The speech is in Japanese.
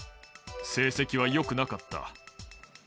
成績はよくなかった。